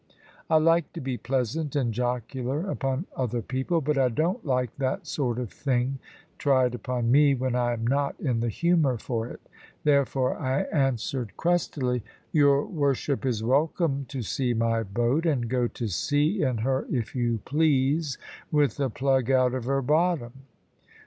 I like to be pleasant and jocular upon other people; but I don't like that sort of thing tried upon me when I am not in the humour for it. Therefore I answered crustily, "Your worship is welcome to see my boat, and go to sea in her if you please, with the plug out of her bottom.